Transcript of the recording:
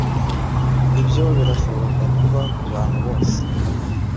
ibyo birashobora kubaho kubantu bose